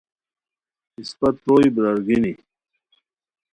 اِسپہ تروئے برارگینی